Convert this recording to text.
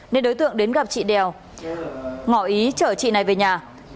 nên đối tượng đến gặp chị đèo ngỏ ý chở chị này về nhà